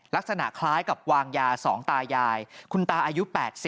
ลักษณะคล้ายกับวางยา๒ตายายคุณตาอายุ๘๐